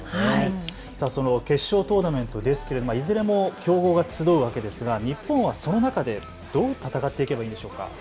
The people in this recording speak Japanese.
決勝トーナメントですけれどいずれも強豪が集うわけですが日本はその中でどう戦っていけばいいんでしょうか。